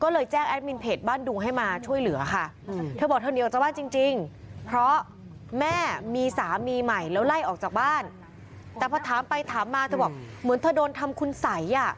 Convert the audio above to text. แต่พอถามไปถามมาเธอบอกเหมือนเธอโดนทำคุณศัย